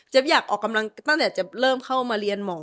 อยากออกกำลังตั้งแต่จะเริ่มเข้ามาเรียนหมอ